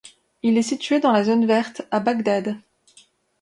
Il est situé dans la zone verte à Bagdad.